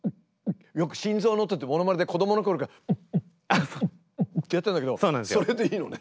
よく心臓の音ってものまねで子どものころから。ってやってたんだけどそれでいいのね。